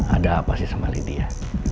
ada apa sih sama lydia